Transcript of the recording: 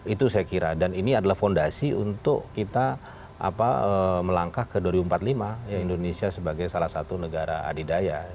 itu saya kira dan ini adalah fondasi untuk kita melangkah ke dua ribu empat puluh lima indonesia sebagai salah satu negara adidaya